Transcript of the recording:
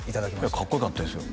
いやかっこよかったですよ